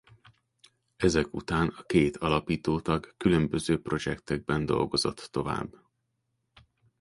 Ezek után a két alapító tag különböző projecteken dolgozott tovább.